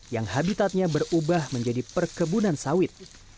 yang habitatnya berubah menjadi perkebunan sawit